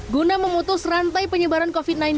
guna memutus rantai penyebaran covid sembilan belas